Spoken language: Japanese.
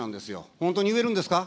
本当に言えるんですか。